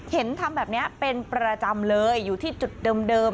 เห็นทำแบบนี้เป็นประจำเลยอยู่ที่จุดเดิม